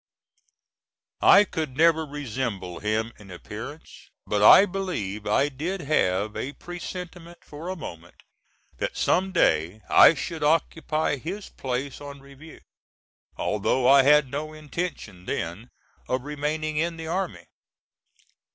I could never resemble him in appearance, but I believe I did have a presentiment for a moment that some day I should occupy his place on review although I had no intention then of remaining in the army.